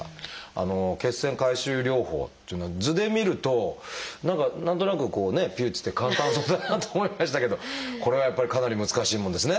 あの血栓回収療法っていうのは図で見ると何か何となくこうねピュっつって簡単そうだなと思いましたけどこれはやっぱりかなり難しいもんですね。